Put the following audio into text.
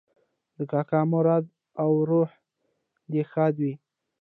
د کاکا مراد اوراح دې ښاده وي